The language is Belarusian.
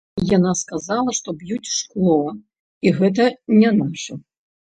Яна сказала, што б'юць шкло, і гэта не нашы.